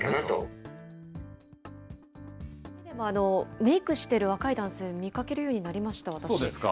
メークしてる若い男性を見かけるようになりました、私。